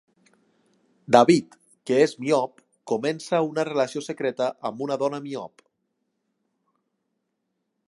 David, que és miop, comença una relació secreta amb una dona miop.